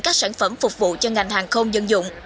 các sản phẩm phục vụ cho ngành hàng không dân dụng